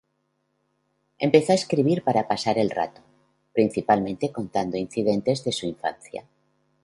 Empezó a escribir para pasar el rato, principalmente contando incidentes de su infancia.